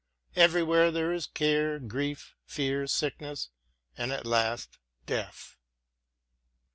Everywhere there is care, grief, fear, sickness, and, at last, death.